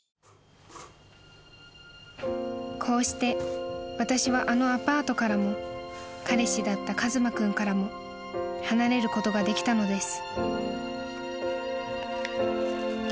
［こうして私はあのアパートからも彼氏だった一馬君からも離れることができたのです］